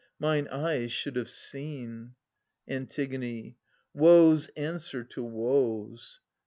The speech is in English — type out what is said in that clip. Mine eyes should have seen ! 970 Ant. Woes answer to woes